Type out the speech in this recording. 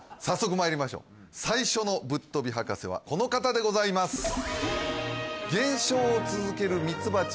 早速まいりましょう最初のぶっとび博士はこの方でございます